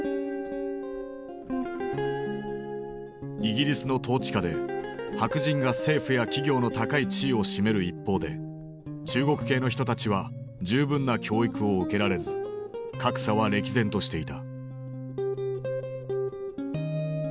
イギリスの統治下で白人が政府や企業の高い地位を占める一方で中国系の人たちは十分な教育を受けられず格差は歴然としていた。